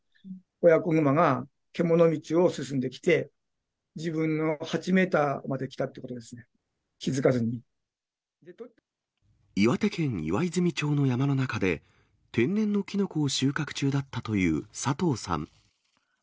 親子熊がけもの道を進んできて、自分の８メートルまで来たってこ岩手県岩泉町の山の中で、天然のキノコを収穫中だったというさとうさん。